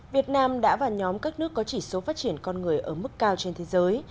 việt nam đã và nhóm các nước có chỉ số phát triển con người ở mức cao trên thế giới